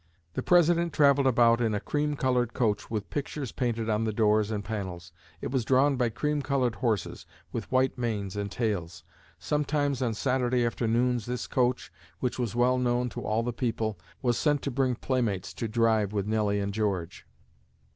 The President traveled about in a cream colored coach with pictures painted on the doors and panels. It was drawn by cream colored horses with white manes and tails. Sometimes on Saturday afternoons, this coach, which was well known to all the people, was sent to bring playmates to drive with Nelly and George.